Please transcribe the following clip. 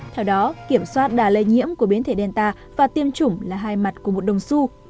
theo đó kiểm soát đà lây nhiễm của biến thể danta và tiêm chủng là hai mặt của một đồng su